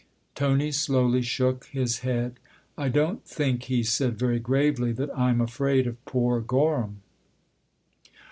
Tony slowly shook his head. "I don't think," he said very gravely, "that I'm afraid of poor Gorham."